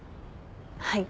はい。